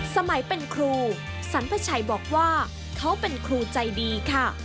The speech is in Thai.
สมัยเป็นครูสรรพชัยบอกว่าเขาเป็นครูใจดีค่ะ